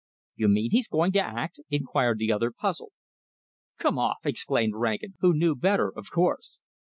"You mean he's going to act?" inquired the other, puzzled. "Come off!" exclaimed Rankin, who knew better, of course.